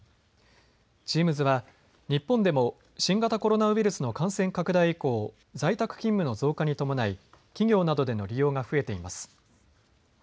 チームズは日本でも新型コロナウイルスの感染拡大以降、在宅勤務の増加に伴い企業などでの利用が増えています。